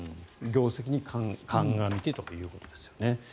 業績に鑑みてということですね。